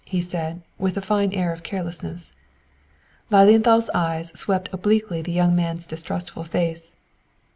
he said, with a fine air of carelessness. Lilienthal's eyes swept obliquely the young man's distrustful face.